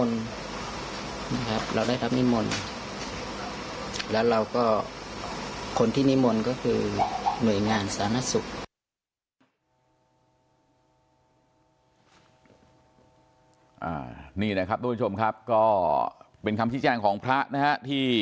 นี่แหละครับทุกผู้ชมครับก็เป็นคำที่แจ้งของพระนะฮะที่